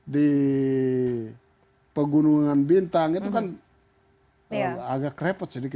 di pegunungan bintang itu kan agak repot sedikit